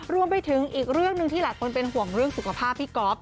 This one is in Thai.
รวมไปถึงอีกเรื่องหนึ่งที่หลายคนเป็นห่วงเรื่องสุขภาพพี่ก๊อฟ